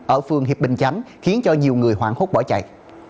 ở phương hiệp bình chánh khiến nhiều người hoảng hốt bỏ chạy